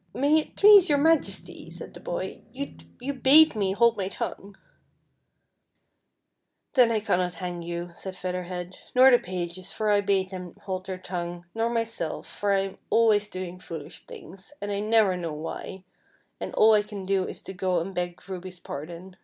" May it please your Majesty," said the boy, " you bade me hold my tongue." " Then I cannot hang you," said Feather Head, " nor the pages, for I bade them hold their tongue, nor myself, for I am always doing foolish things, and I never know why, and all I can do is to go and beg lluby's pardon."